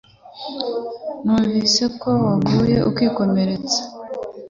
Numvise ko waguye ukikomeretsa